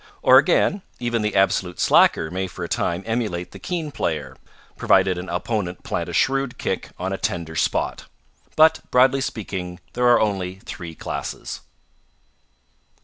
Or, again, even the absolute slacker may for a time emulate the keen player, provided an opponent plant a shrewd kick on a tender spot. But, broadly speaking, there are only three classes.